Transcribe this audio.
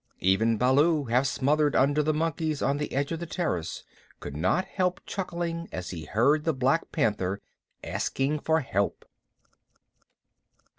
Even Baloo, half smothered under the monkeys on the edge of the terrace, could not help chuckling as he heard the Black Panther asking for help.